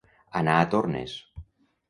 Anar a tornes.